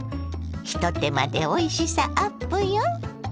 一手間でおいしさアップよ！